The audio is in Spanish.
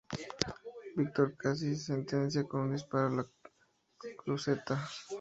Víctor casi sentencia con un disparo a la cruceta.